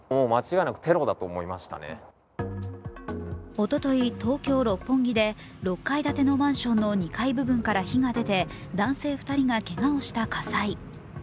おととい、東京・六本木で６階建てマンションの２階部分から火が出て男性２人がけがをした火災。